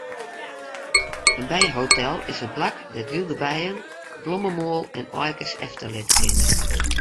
In bijehotel is in plak dêr't wylde bijen blommemoal en aaikes efterlitte kinne.